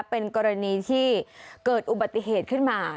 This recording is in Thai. เป็นกรณีที่เกิดอุบัติเหตุขึ้นมา